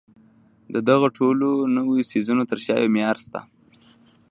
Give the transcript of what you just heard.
د دغو ټولو نويو څيزونو تر شا يو معيار شته.